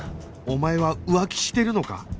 お前は浮気してるのか？